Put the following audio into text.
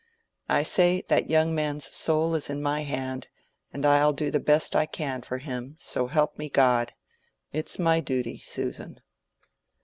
I say, that young man's soul is in my hand; and I'll do the best I can for him, so help me God! It's my duty, Susan."